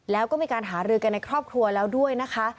แล้วก็มีการหารือกันในครอบครัวแล้วด้วยนะคะ